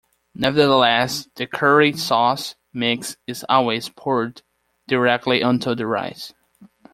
Nevertheless, the curry sauce mix is always poured directly onto the rice.